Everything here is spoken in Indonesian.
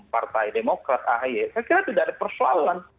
partai demokrat ahy saya kira tidak ada persoalan